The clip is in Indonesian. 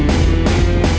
udah bocan mbak